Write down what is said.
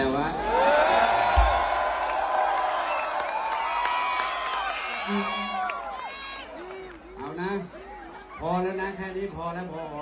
เอานะพอแล้วนะแค่นี้พอแล้วพอ